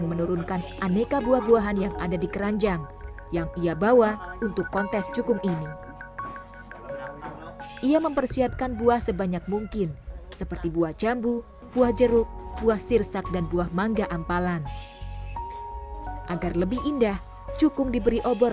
mereka victipp ti politico ini juga telah cukup besar